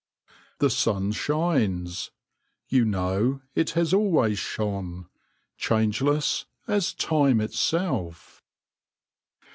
The sun shines : you know it has always shone, changeless as Time itself.